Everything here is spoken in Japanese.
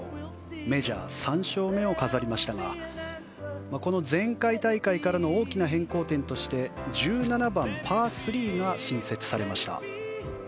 メジャー３勝目を飾りましたがこの前回大会からの大きな変更点として１７番、パー３が新設されました。